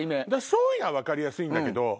そういうのは分かりやすいんだけど。